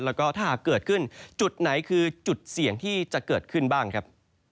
แล้วก็ถ้าหากเกิดขึ้นจุดไหนคือจุดเสี่ยงที่จะเกิดขึ้นบ้างครับ